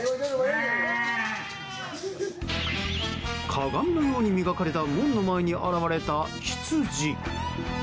鏡のように磨かれた門の前に現れたヒツジ。